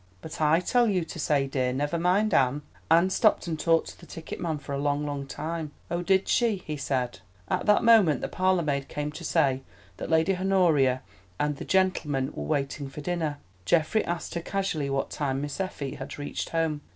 "But I tell you to say, dear—never mind Anne!" "Anne stopped and talked to the ticket man for a long, long time." "Oh, did she?" he said. At that moment the parlourmaid came to say that Lady Honoria and the "gentleman" were waiting for dinner. Geoffrey asked her casually what time Miss Effie had reached home.